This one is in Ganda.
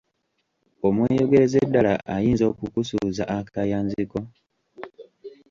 Omweyogereze ddala ayinza okukusuuza akayanzi ko?